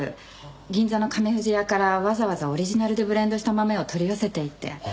銀座の亀富士屋からわざわざオリジナルでブレンドした豆を取り寄せていて。